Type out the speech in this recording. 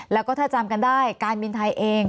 แล้วก็ถ้าจำกันได้การบินไทยเอง